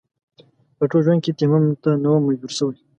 په ټول ژوند کې تيمم ته نه وم مجبور شوی.